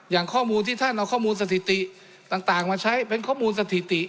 อย่างข้อมูลที่ท่านเอาข้อมูลสถิติต่างมาใช้เป็นข้อมูลสถิติ